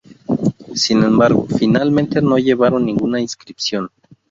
Sin embargo, finalmente no llevaron ninguna inscripción.